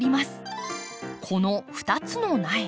この２つの苗